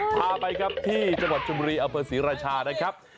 พาไปครับที่จังหวัดชมบุรีอำเภอศรีราชานะครับ